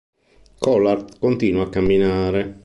Collard continua a camminare.